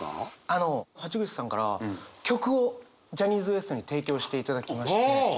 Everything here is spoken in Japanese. あの橋口さんから曲をジャニーズＷＥＳＴに提供していただきまして。